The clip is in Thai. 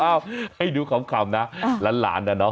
เอาให้ดูขำนะล้านน่ะเนอะ